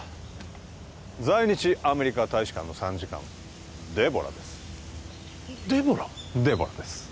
在日アメリカ大使館の参事官デボラですデボラ！？デボラです